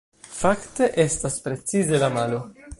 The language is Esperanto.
Fakte, estas precize la malo!